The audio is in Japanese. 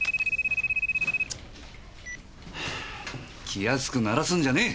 気安く鳴らすんじゃねえ！